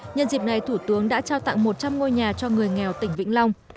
nhân dịp này thủ tướng đã trao tặng một trăm linh ngôi nhà cho người nghèo tỉnh vĩnh long